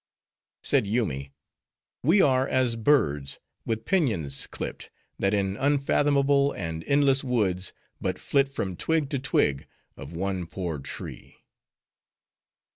Said Yoomy, "We are as birds, with pinions clipped, that in unfathomable and endless woods, but flit from twig to twig of one poor tree."